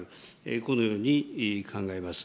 このように考えます。